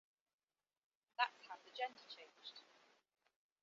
That’s how the gender changed.